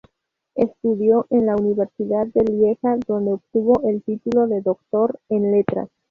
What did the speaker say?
Estudió en la Universidad de Lieja donde obtuvo el título de Doctor en Letras.